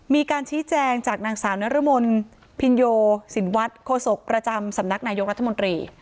มีการชี้แจงจากนางสาวนรมนพินโยสินวัฒน์โฆษกประจำสำนักนายกรัฐมนตรี